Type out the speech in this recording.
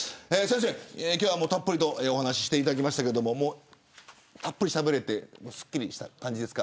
今日はたっぷりとお話していただきましたがたっぷりしゃべれてすっきりしましたか。